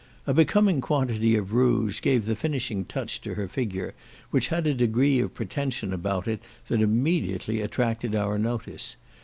A becoming quantity of rouge gave the finishing touch to her figure, which had a degree of pretension about it that immediately attracted our notice.